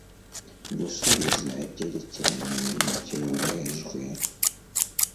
gusubiza ibyerekaranye n ibyoherejwe